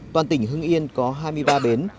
toàn tỉnh hương yên có hai mươi ba bến